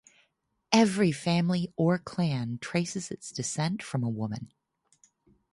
Every family or clan traces its descent from a woman.